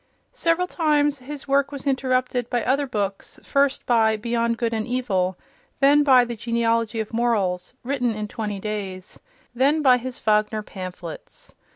Several times his work was interrupted by other books, first by "Beyond Good and Evil," then by "The Genealogy of Morals" (written in twenty days), then by his Wagner pamphlets.